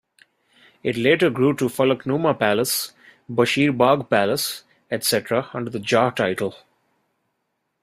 It later grew to Falaknuma Palace, Bashir Bagh Palace, etc., under the Jah title.